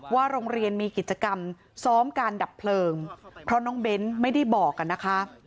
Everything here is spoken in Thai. ว่าโรงเรียนมีกิจกรรมซ้อมการดับเพลิงเพราะน้องเบ้นไม่ได้บอกกันนะคะ